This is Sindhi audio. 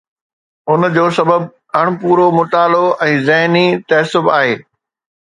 ان جو سبب اڻپورو مطالعو ۽ ذهني تعصب آهي.